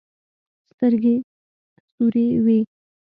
سترګې سورې وې.